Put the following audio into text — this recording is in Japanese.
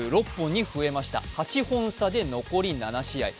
８本差で残り７試合。